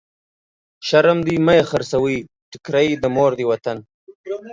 شرم دی مه يې خرڅوی، ټکری د مور دی وطن.